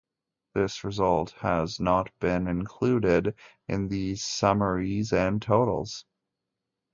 This result has not been included in these summaries and totals.